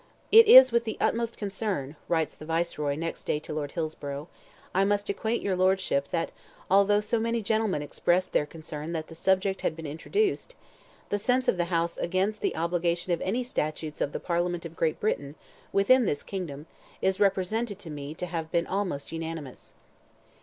"It is with the utmost concern," writes the Viceroy next day to Lord Hillsborough, "I must acquaint your Lordship that although so many gentlemen expressed their concern that the subject had been introduced, the sense of the House against the obligation of any statutes of the Parliament of Great Britain, within this kingdom, is represented to me to have been almost unanimous."